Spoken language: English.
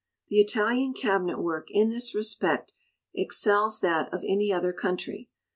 The Italian Cabinet Work in this respect excels that of any other country.